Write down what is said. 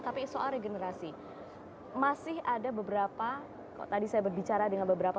tapi soal regenerasi masih ada beberapa kok tadi saya berbicara dengan beberapa